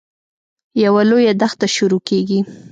یوه لویه دښته شروع کېږي.